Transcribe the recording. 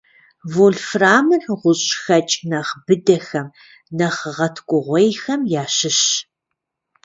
Вольфрамыр гъущӏхэкӏ нэхъ быдэхэм, нэхъ гъэткӏугъуейхэм ящыщщ.